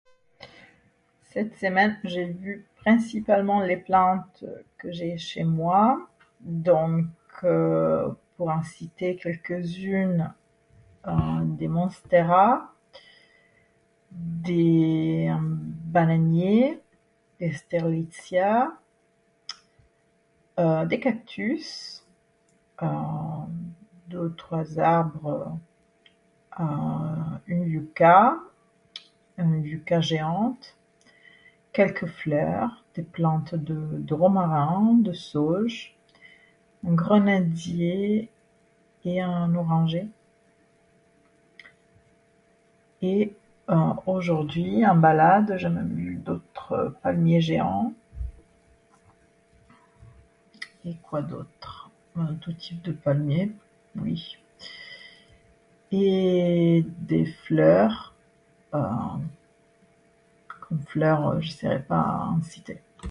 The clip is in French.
Cette semaine j’ai vu principalement les plantes que j’ai chez moi, donc, pour en citer quelques-unes, des monsteras, des bananiers, des strelitzias, euh, des cactus, euh, deux ou trois arbres, euh une yucca, une yucca géante, quelques fleurs, des plantes de romarin, de sauge, un grenadier et un oranger. Et euh, aujourd’hui en balade j’ai vu d’autres palmiers géants, et quoi d’autre. Un petit peu de palmiers], oui. Et des fleurs, euh, des fleurs je serais pas citer.